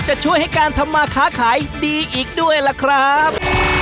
จะช่วยให้การทำมาค้าขายดีอีกด้วยล่ะครับ